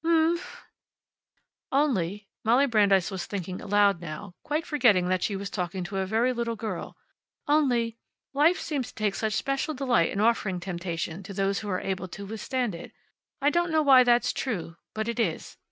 "Umhmph." "Only," Molly Brandeis was thinking aloud now, quite forgetting that she was talking to a very little girl, "only, life seems to take such special delight in offering temptation to those who are able to withstand it. I don't know why that's true, but it is.